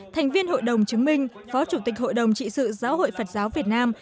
thành viên hội đồng chứng minh phó chủ tịch hội đồng trị sự giáo hội phật giáo việt nam